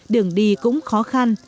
đường đi cũng khó khăn